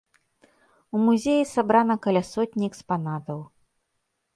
У музеі сабрана каля сотні экспанатаў.